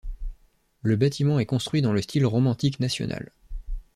Le bâtiment est construit dans le Style romantique national.